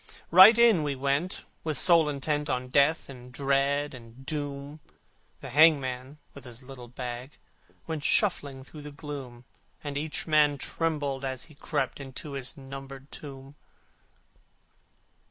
Right in we went, with soul intent On Death and Dread and Doom: The hangman, with his little bag, Went shuffling through the gloom: And I trembled as I groped my way Into my numbered tomb.